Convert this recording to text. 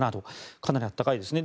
かなり暖かいですね。